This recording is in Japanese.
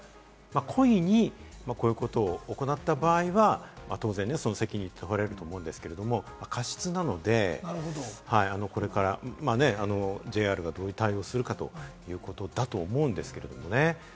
故意に、こういうことを行った場合は当然、その責任が問われると思うんですけれども、過失なので、これからＪＲがどういう対応をするかということだと思うんですけれどもね。